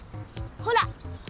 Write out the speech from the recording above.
ほら！